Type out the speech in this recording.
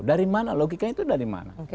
dari mana logikanya itu dari mana